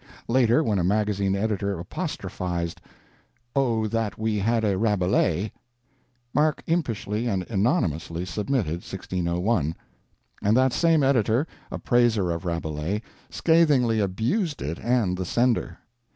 Later, when a magazine editor apostrophized, "O that we had a Rabelais!" Mark impishly and anonymously submitted 1601; and that same editor, a praiser of Rabelais, scathingly abused it and the sender.